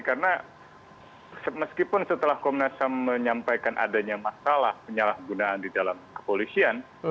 karena meskipun setelah komnas ham menyampaikan adanya masalah penyalahgunaan di dalam kepolisian